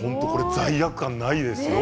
罪悪感ないですよ